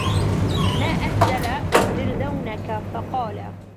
مَا أَهْزَلَ بِرْذَوْنَك ؟ فَقَالَ